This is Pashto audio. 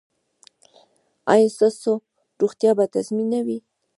ایا ستاسو روغتیا به تضمین نه وي؟